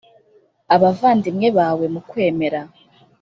abavandimwe bawe mu kwemera ».